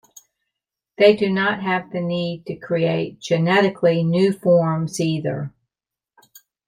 They do not have the need to create genetically new forms either.